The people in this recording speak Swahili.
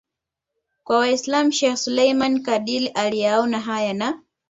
wa Waislam Sheikh Suleiman Takadir aliyaona haya na